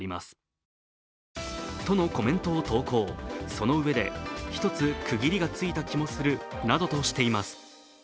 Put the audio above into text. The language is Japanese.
そのうえでひとつ区切りがついた気もするなどとしています。